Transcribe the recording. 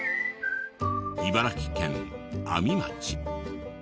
茨城県阿見町。